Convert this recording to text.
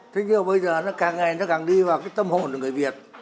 thế nhưng bây giờ nó càng ngày nó càng đi vào cái tâm hồn người việt